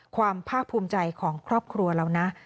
ความภาคภูมิใจของครอบครัวเรานะ